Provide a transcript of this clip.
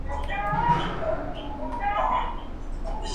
Se sitúa sobre un montículo en la margen izquierda del río Isábena.